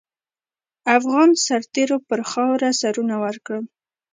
افغان سرتېرو پر خاوره سرونه ورکړل.